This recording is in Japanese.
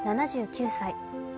７９歳。